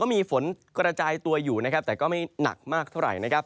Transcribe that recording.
มีฝนกระจายตัวอยู่นะครับแต่ก็ไม่หนักมากเท่าไหร่นะครับ